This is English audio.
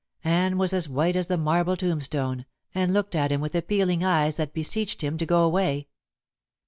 Anne was as white as the marble tombstone, and looked at him with appealing eyes that beseeched him to go away.